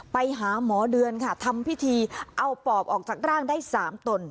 ไปหาหมอเดือนค่ะทำพิธีเอาปอบออกจากร่างได้๓ตน